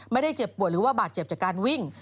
ไม่ได้เจ็บป่วยหรือว่าบาดเจ็บจากการวิ่ง